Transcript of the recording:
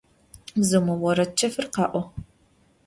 Bzıume vored çefır kha'o.